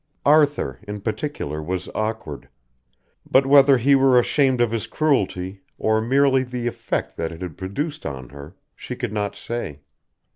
Arthur, in particular, was awkward; but whether he were ashamed of his cruelty, or merely of the effect that it had produced on her, she could not say.